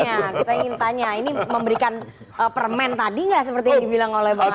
makanya kita ingin tanya ini memberikan permen tadi gak seperti yang dibilang oleh bang adi